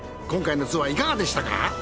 今回のツアーいかがでしたか？